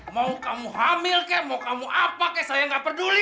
mau kamu hamil kek mau kamu apa kek saya gak peduli